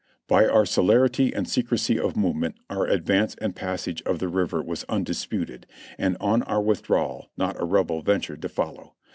"By our celerity and secrecy of movement our advance and pas sage of the river was undisputed, and on our withdrawal not a Rebel ventured to follow.